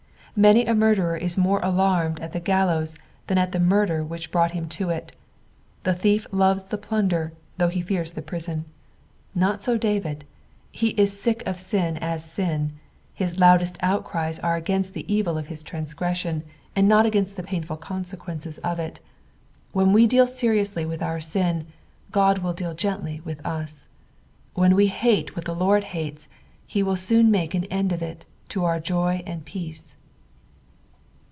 Many a murderer is more alarmed at the gallows than at the murder which brought him to it. The tliicf loves the plunder, though he fears the prison. Not so David ; ho is sick of sin as sin ; his loudest outcries are against tho evil of his truiigTCBsion, and not against the PSALU THE FIFTY FIR?r. 451 paioful consequences at it. When we deal seriously with our nin, Gixl \t\]\ drnl gentl; with ua. Wlien we hate what the Lord' hates, he will sooa make an end of it, to our Jo; and peace.